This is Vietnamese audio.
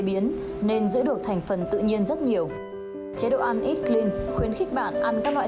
biến nên giữ được thành phần tự nhiên rất nhiều chế độ ăn ít lind khuyến khích bạn ăn các loại